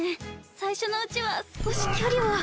最初のうちは少し距離を。